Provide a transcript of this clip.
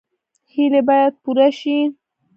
هیلې باید پوره شي